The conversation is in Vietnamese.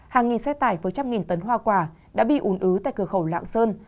hàng nghìn xe tải với trăm nghìn tấn hoa quả đã bị ùn ứ tại cửa khẩu lạng sơn